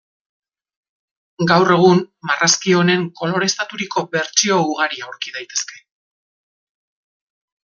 Gaur egun, marrazki honen koloreztaturiko bertsio ugari aurki daitezke.